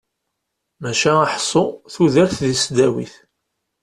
Maca ḥsu tudert deg tesdawit.